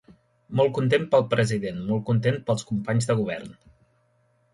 Molt content pel president, molt content pels companys de govern!